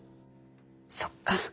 そっか。